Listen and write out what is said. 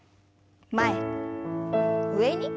前上に。